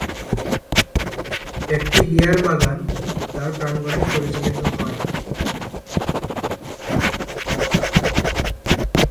একটি বিয়ার বাগান তার প্রাঙ্গণে পরিচালিত হয়।